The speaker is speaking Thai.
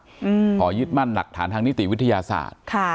คุณพ่อยึดมั่นหลักฐานทางนิติวิทยาศาสตร์